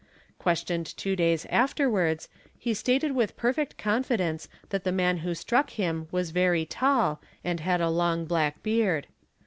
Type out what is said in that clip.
Questioned two days afterwards he stated with % perfect confidence that the man who struck him was very tall and had a d long black beard.